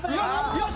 よし！